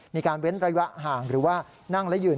เว้นระยะห่างหรือว่านั่งและยืน